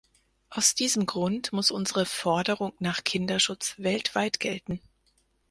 Aus diesem Grund muss unsere Forderung nach Kinderschutz weltweit gelten.